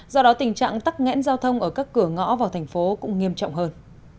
do đó tình trạng tắt ngẽn giao thông ở các cửa ngõ vào thành phố cũng nghiêm trọng hơn